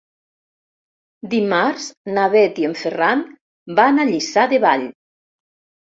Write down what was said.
Dimarts na Bet i en Ferran van a Lliçà de Vall.